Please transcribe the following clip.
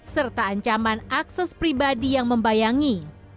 serta ancaman akses pribadi yang membayangi